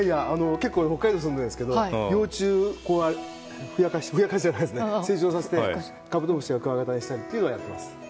北海道に住んでるんですけど幼虫を成長させてカブトムシやクワガタにしたりっていうのをやってます。